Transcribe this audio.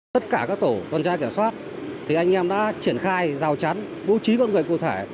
tất cả các tổ tuần tra kiểm soát thì anh em đã triển khai giao trán bố trí các người cụ thể